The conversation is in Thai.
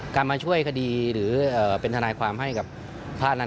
มาช่วยคดีหรือเป็นทนายความให้กับพระนั้น